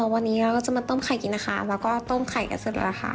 วันนี้เราก็จะมาต้มไข่กินนะคะ